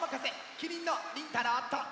きりんのりんたろうと。